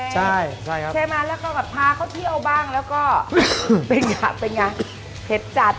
ใช่ครับใช่ไหมแล้วก็แบบพาเขาเที่ยวบ้างแล้วก็เป็นไงเป็นไงเผ็ดจัด